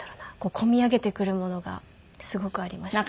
こみ上げてくるものがすごくありましたね。